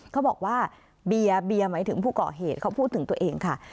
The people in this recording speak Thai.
เขาบอกว่าเบียร์เบียร์หมายถึงผู้ก่อเหตุเขาพูดถึงตัวเองค่ะ